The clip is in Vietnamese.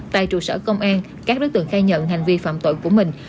tại trụ sở công an các đối tượng khai nhận hành vi phạm tội của mình